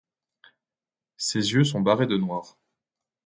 Ses yeux sont barrés de noir.